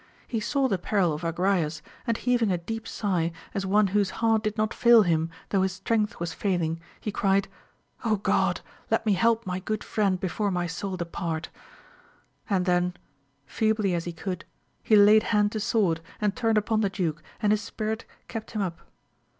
He saw the peril of Agrayes, and heaving a deep sigh, as one whose heart did not fail him though his strength was failing, he cried. Oh God, let me help my good friend before my soul depart ! and then, feebly as he could, he laid hand to sword and turned upon the duke, and his spirit kept him up.